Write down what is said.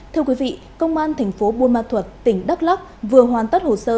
thưa quý vị công an tp buôn ma thuật tỉnh đắk lắc vừa hoàn tất hồ sơ